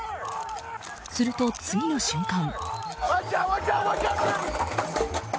すると、次の瞬間。